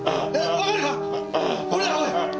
わかるか！？